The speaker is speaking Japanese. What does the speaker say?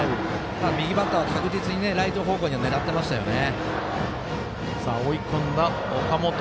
右バッターは確実にライト方向に狙ってましたよね。